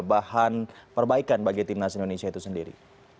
bahan perbaikan bagi timnas indonesia itu sendiri